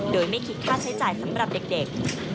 โดยไม่คิดค่าใช้จ่ายสำหรับเด็ก